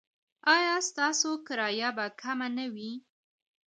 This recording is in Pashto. ایا ستاسو کرایه به کمه نه وي؟